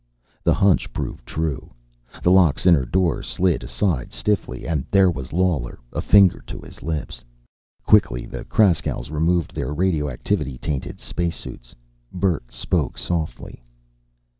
The hunch proved true. The lock's inner door slid aside stiffly and there was Lawler, a finger to his lips. Quickly the Kraskows removed their radioactivity tainted spacesuits. Bert spoke softly.